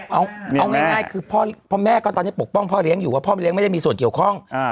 เอาง่ายคือพ่อแม่ก็ตอนนี้ปกป้องพ่อเลี้ยงอยู่ว่าพ่อเลี้ยไม่ได้มีส่วนเกี่ยวข้อง